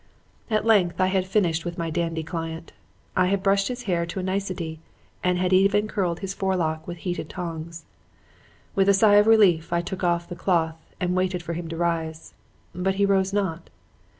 "At length I had finished my dandy client. I had brushed his hair to a nicety and had even curled his forelock with heated tongs. With a sigh of relief I took off the cloth and waited for him to rise. But he rose not.